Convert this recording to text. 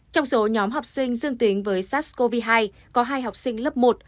trong số nhóm học sinh dương tính với sars cov hai có hai học sinh lớp một